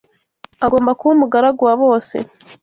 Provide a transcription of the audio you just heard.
agomba kuba umugaragu wa bose